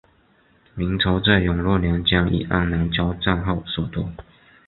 明朝在永乐年间与安南交战后所得。